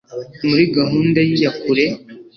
muri gahunda y iya kure